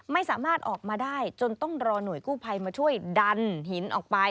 ไม่สามารถออกมาได้จนต้องรอหน่วยกู้ภัยมาช่วยดันหินออกไป